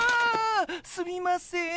すみません。